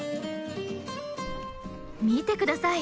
見てください。